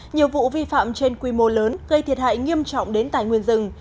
nhiều vụ vi phạm trên quy mô lớn gây thiệt hại nghiêm trọng đến tài nguyên rừng